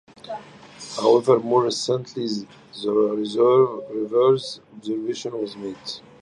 However, more recently the reverse observation was made.